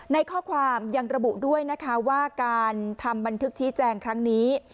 ในข้อความยังระบุด้วยนะคะว่าการทำบันทึกชี้แจงครั้งนี้